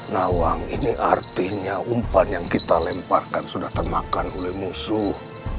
nawang ini artinya umpan yang kita lemparkan sudah termakan oleh musuh